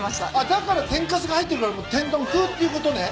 だから天かすが入ってるから天丼風っていうことね。